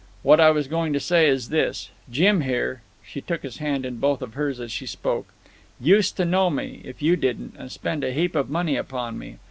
What I was going to say was this: Jim here" she took his hand in both of hers as she spoke "used to know me, if you didn't, and spent a heap of money upon me.